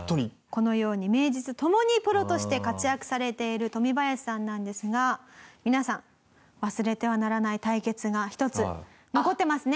このように名実ともにプロとして活躍されているトミバヤシさんなんですが皆さん忘れてはならない対決が一つ残ってますね？